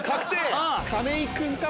亀井君か？